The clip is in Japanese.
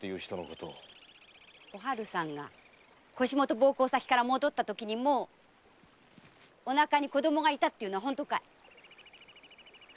おはるさんが腰元奉公先から戻ったときもうお腹に子供がいたってのは本当かい？